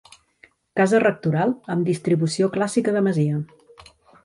Casa rectoral amb distribució clàssica de masia.